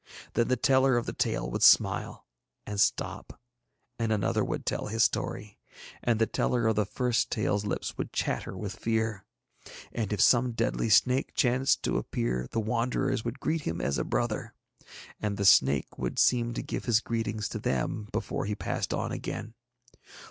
Then the teller of the tale would smile and stop, and another would tell his story, and the teller of the first tale's lips would chatter with fear. And if some deadly snake chanced to appear the Wanderers would greet him as a brother, and the snake would seem to give his greetings to them before he passed on again.